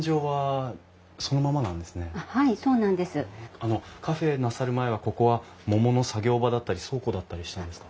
あのカフェなさる前はここは桃の作業場だったり倉庫だったりしたんですか？